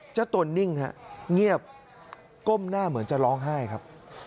จะตนนิ่งง่ีบก้มหน้าเหมือนจะร้องไห้ครับ